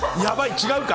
違うか？